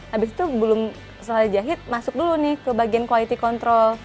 habis itu belum selesai jahit masuk dulu nih ke bagian quality control